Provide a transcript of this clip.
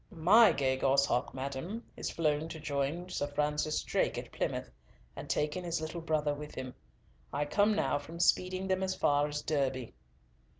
"My gay gosshawk, madam, is flown to join Sir Francis Drake at Plymouth, and taken his little brother with him. I come now from speeding them as far as Derby."